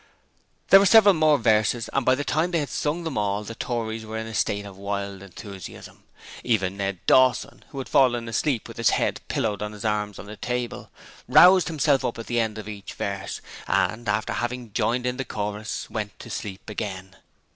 There were several more verses, and by the time they had sung them all, the Tories were in a state of wild enthusiasm. Even Ned Dawson, who had fallen asleep with his head pillowed on his arms on the table, roused himself up at the end of each verse, and after having joined in the chorus, went to sleep again.